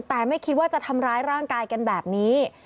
แต่ไม่คิดว่าจะทำร้ายร่างกายกันแบบนี้